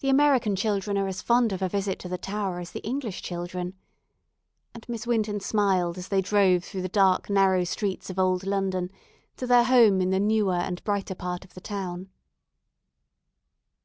The American children are as fond of a visit to the Tower as the English children," and Miss Winton smiled as they drove through the dark, narrow streets of old London, to their home in the newer and brighter part of the town.